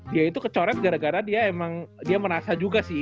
dia itu kecoret gara gara dia emang dia merasa juga sih